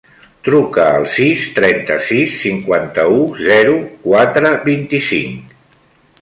Truca al sis, trenta-sis, cinquanta-u, zero, quatre, vint-i-cinc.